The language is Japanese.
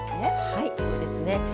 はいそうですね。